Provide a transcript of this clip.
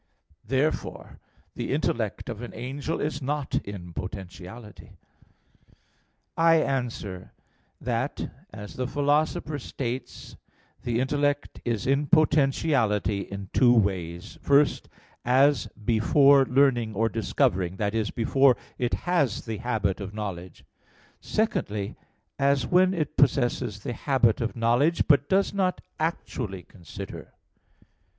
Therefore the intellect of an angel is not in potentiality. I answer that, As the Philosopher states (De Anima iii, text. 8; Phys. viii, 32), the intellect is in potentiality in two ways; first, "as before learning or discovering," that is, before it has the habit of knowledge; secondly, as "when it possesses the habit of knowledge, but does not actually consider."